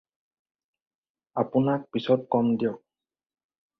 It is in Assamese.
আপোনাক পিছত কম দিয়ক।